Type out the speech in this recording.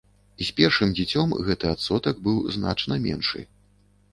З першым дзіцем гэты адсотак быў значна меншы.